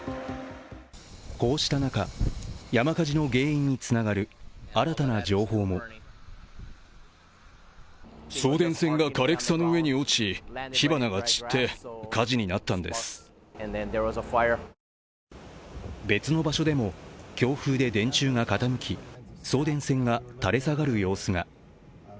こうした中、山火事の原因につながる新たな情報も別の場所でも強風で電柱が傾き送電線が垂れ下がる様子が。